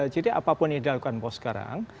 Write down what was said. jadi apapun yang dilakukan pos sekarang